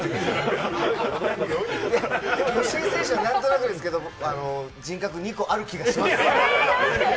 吉井選手はなんとなくですけれども、人格２個ある気がします。